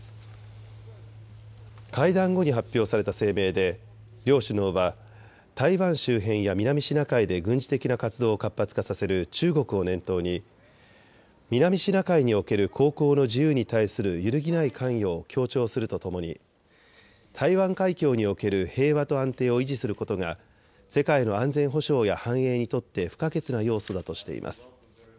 会談後に発表された声明で両首脳は台湾周辺や南シナ海で軍事的な活動を活発化させる中国を念頭に南シナ海における航行の自由に対する揺るぎない関与を強調するとともに台湾海峡における平和と安定を維持することが世界の安全保障や繁栄にとって不可欠な要素だとしています。